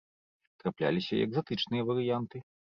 Трапляліся і экзатычныя варыянты.